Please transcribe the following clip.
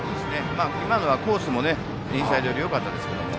今のはコースもインサイドでよかったですけども。